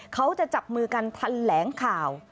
เขาจะจับมือกันทันแหลงข่าว